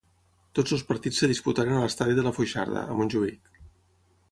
Tots els partits es disputaren a l'estadi de La Foixarda, a Montjuïc.